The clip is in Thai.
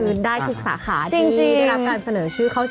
ได้ทุกสาขาที่ได้รับการเสนอชื่อเข้าสู่